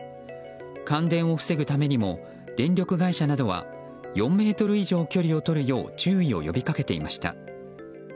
感電を防ぐためにも電力会社などは４ｍ以上距離を取るよう注意を呼び掛けていました。